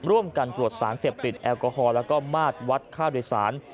ร่วมกันตรวจสารเสพติดแอลกอฮอลแล้วก็มาดวัดค่าโดยสาร